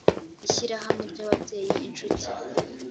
ishyirahamwe ry ababyeyi inshuti